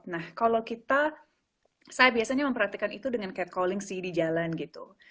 nah kalau kita saya biasanya memperhatikan itu dengan cat calling sih di jalan gitu